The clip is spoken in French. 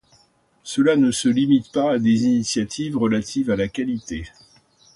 Cela ne se limite pas à des initiatives relatives à la qualité.